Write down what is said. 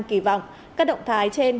kỳ vọng các động thái trên